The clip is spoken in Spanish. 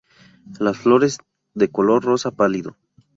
Las flores de color rosa pálido.